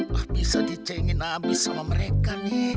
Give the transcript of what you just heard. wah bisa dicengin abis sama mereka nih